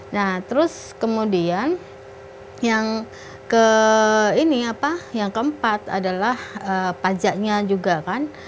nah terus kemudian yang ke ini apa yang keempat adalah pajaknya juga kan